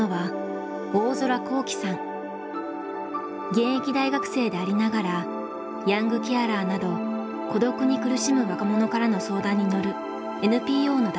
現役大学生でありながらヤングケアラーなど孤独に苦しむ若者からの相談に乗るＮＰＯの代表です。